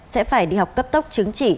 sẽ phải đi học cấp tốc chứng chỉ